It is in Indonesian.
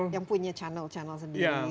yang punya channel channel sendiri